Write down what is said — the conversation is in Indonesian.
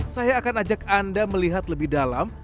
saya akan ajak anda melihat lebih dalam